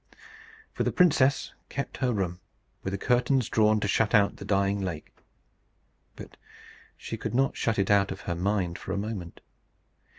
For the princess kept her room, with the curtains drawn to shut out the dying lake. But she could not shut it out of her mind for a moment.